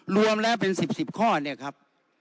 รวมแล้วเป็น๑๐๑๐ข้อเนี่ยครับ